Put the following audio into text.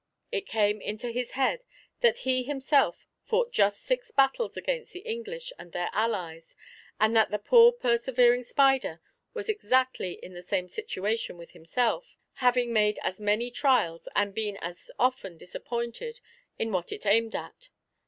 It came into his head that he had himself fought just six battles against the English and their allies, and that the poor persevering spider was exactly in the same situation with himself, having made as many trials and been as often disappointed in what it aimed at.